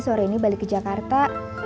sampai sekarang ini balik ke jakarta